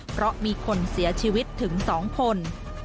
เพราะมีคนเสียชีวิตถึง๒คน